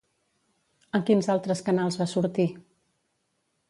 En quins altres canals va sortir?